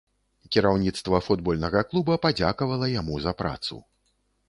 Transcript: Кіраўніцтва футбольнага клуба падзякавала яму за працу.